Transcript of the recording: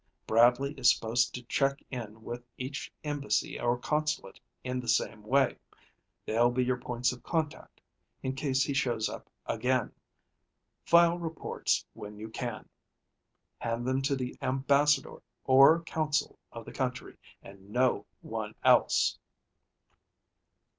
Bradley is supposed to check in with each embassy or consulate in the same way. They'll be your points of contact in case he shows up again. File reports when you can. Hand them to the ambassador or consul of the country and no one else."